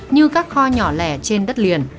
như các kho nhỏ lẻ trên đất liền